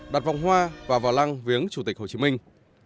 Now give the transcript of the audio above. đặt vòng hoa và vào lăng viếng chủ tịch hồ chí minh